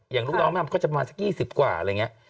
อย่างเรามันก็จะประมาณสัก๒๐กว่าอะไรอย่างนี้